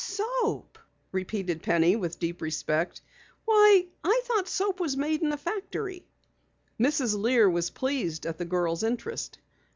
"Soap," repeated Penny with deep respect. "Why, I thought soap was made in a factory." Mrs. Lear was pleased at the girl's interest.